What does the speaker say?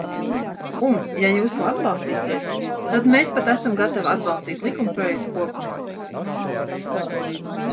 Un, ja jūs to atbalstīsiet, tad mēs pat esam gatavi atbalstīt likumprojektu kopumā.